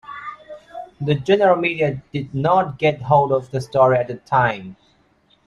The general media did not get hold of the story at the time.